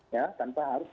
ya tanpa harus